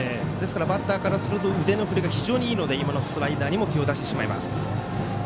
バッターからすると腕の振りが非常にいいので今のスライダーにも手を出してしまいます。